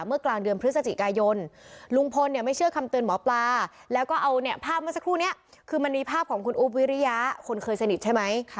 กลางเดือนพฤศจิกายนลุงพลเนี่ยไม่เชื่อคำเตือนหมอปลาแล้วก็เอาเนี่ยภาพเมื่อสักครู่นี้คือมันมีภาพของคุณอุ๊บวิริยะคนเคยสนิทใช่ไหม